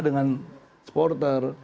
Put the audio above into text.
kerja sama dengan supporter